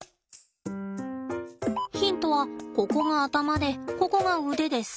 ヒントはここが頭でここが腕です。